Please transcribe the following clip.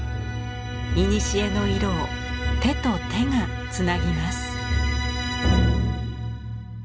いにしえの色を手と手がつなぎます。